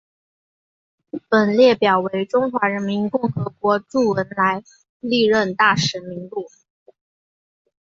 本列表为中华人民共和国驻文莱历任大使名录。